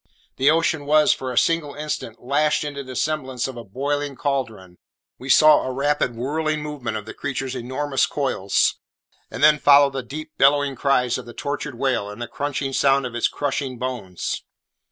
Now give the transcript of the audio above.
The ocean was, for a single instant, lashed into the semblance of a boiling caldron; we saw a rapid whirling movement of the creature's enormous coils, and then followed the deep bellowing cries of the tortured whale, and the crunching sound of its crushing bones.